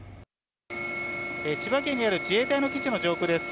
千葉県にある自衛隊の基地の上空です。